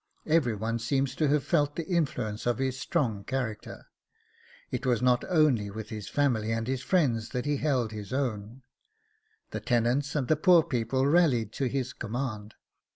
Every one seems to have felt the influence of his strong character. It was not only with his family and his friends that he held his own the tenants and the poor people rallied to his command.